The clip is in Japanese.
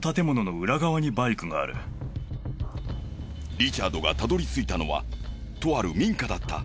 リチャードがたどり着いたのはとある民家だった。